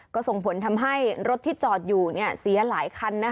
ก็ส่งผลทำให้รถที่จอดอยู่เสียหลายคัน